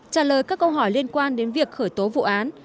trả lời các câu hỏi liên quan đến việc khởi tố vụ án